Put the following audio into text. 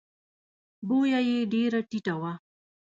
بویه یې ډېره ټیټه وه.